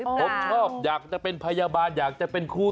ผมชอบอยากจะเป็นพยาบาลอยากจะเป็นคู่